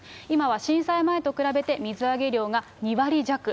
今は震災前と比べて、水揚げ量が２割弱。